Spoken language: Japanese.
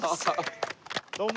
どうも。